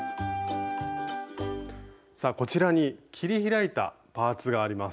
さあこちらに切り開いたパーツがあります。